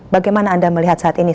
bagaimana anda melihat saat ini